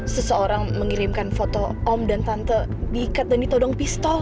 seseorang mengirimkan foto om dan tante diikat dan ditodong pistol